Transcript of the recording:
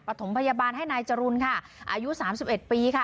ถมพยาบาลให้นายจรุลค่ะอายุสามสิบเอ็ดปีค่ะ